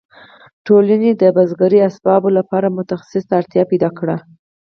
ټولنې د بزګرۍ اسبابو لپاره متخصص ته اړتیا پیدا کړه.